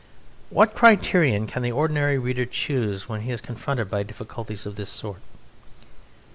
What criterion can the ordinary reader choose when he is confronted by difficulties of this sort?